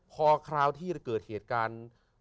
พอคราวที่เกิดเหตุการณ์